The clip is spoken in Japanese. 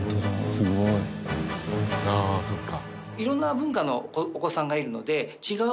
すごい。あっそっか。